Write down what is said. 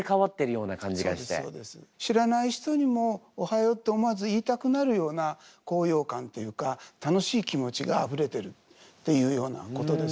少し知らない人にも「おはよう」って思わず言いたくなるような高揚感っていうか楽しい気持ちがあふれてるっていうようなことです。